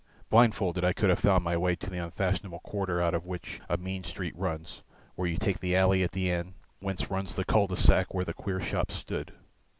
Blindfold I could have found my way to the unfashionable quarter out of which a mean street runs, where you take the alley at the end, whence runs the cul de sac where the queer shop stood.